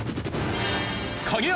影山